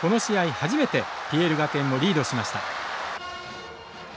初めてＰＬ学園をリードしました。